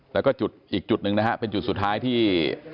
แล้วก็จุดอีกจุดหนึ่งนะฮะเป็นจุดสุดท้ายที่